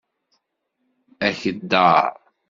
Akeddaṛ.